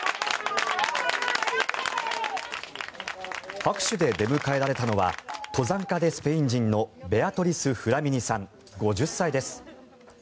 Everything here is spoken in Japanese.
拍手で出迎えられたのは登山家でスペイン人のベアトリス・フラミニさん５０歳です。